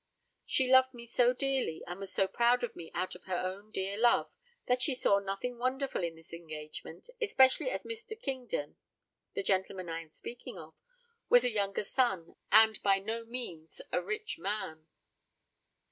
She loved me so dearly, and was so proud of me out of her dear love, that she saw nothing wonderful in this engagement, especially as Mr. Kingdon, the gentleman I am speaking of, was a younger son, and by no means a rich man."